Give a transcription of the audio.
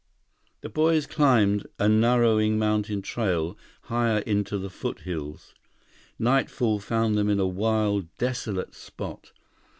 The boys climbed a narrowing mountain trail higher into the foothills. Nightfall found them in a wild, desolate spot.